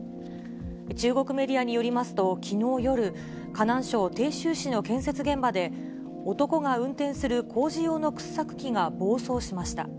中国メディアによりますと、きのう夜、河南省鄭州市の建設現場で、男が運転する工事用の掘削機が暴走しました。